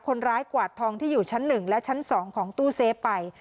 คนร้ายกวาดทองที่อยู่ชั้นหนึ่งและชั้นสองของตู้เซไป